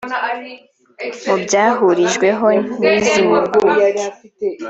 Mu byahurijweho n’izi mpuguke